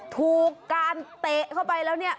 ถูกการเตะเข้าไปแล้วเนี่ย